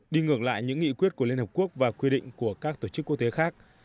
đi ngược lại những nghị quyết của liên hợp quốc và quy định của các tổ chức quốc tế khác